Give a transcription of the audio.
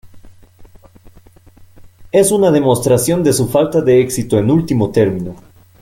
es una demostración de su falta de éxito en último término